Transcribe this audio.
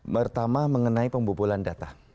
pertama mengenai pembobolan data